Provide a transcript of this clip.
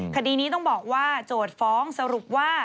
คดีนี้ต้องบอกว่าโจทย์ฟ้องสรุปว่า